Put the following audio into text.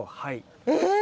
えっ？